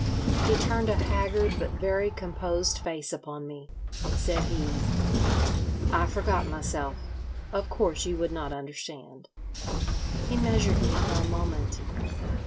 He turned a haggard but very composed face upon me. Said he: "I forgot myself. Of course you would not understand." He measured me for a moment.